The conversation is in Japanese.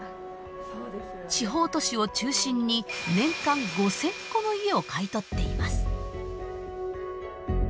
地方都市を中心に年間５，０００戸の家を買い取っています。